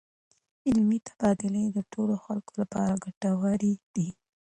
علمي تبادلې د ټولو خلکو لپاره ګټورې دي.